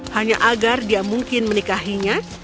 hanya agar dia mungkin menikahinya